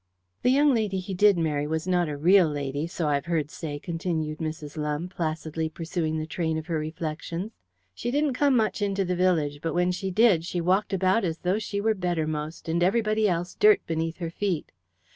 "The young lady he did marry was not a real lady, so I've heard say," continued Mrs. Lumbe, placidly pursuing the train of her reflections. "She didn't come much into the village, but when she did she walked about as though she were bettermost, and everybody else dirt beneath her feet.